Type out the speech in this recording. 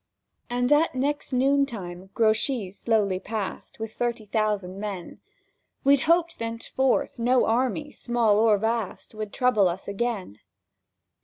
And at next noon time Grouchy slowly passed With thirty thousand men: We hoped thenceforth no army, small or vast, Would trouble us again.